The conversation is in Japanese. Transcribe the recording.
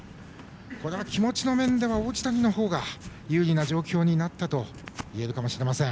気持ちの面では王子谷のほうが有利な状況になったといえるかもしれません。